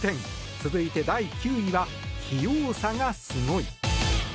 続いて、第９位は器用さがスゴイ！